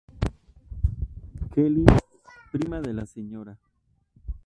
Kelly, prima de la Sra.